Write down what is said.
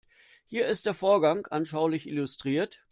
Hier ist der Vorgang anschaulich illustriert.